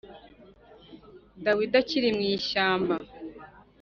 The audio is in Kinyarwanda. Dawidi akiri mu ishyamba